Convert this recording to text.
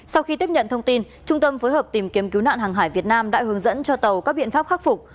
sau khi tiếp nhận thông tin trung tâm phối hợp tìm kiếm cứu nạn hàng hải việt nam đã hướng dẫn cho tàu các biện pháp khắc phục